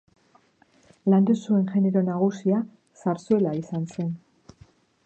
Landu zuen genero nagusia zarzuela izan zen.